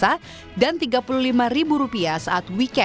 dan ada tambahan rp sepuluh untuk menikmati tempat yang lebih menarik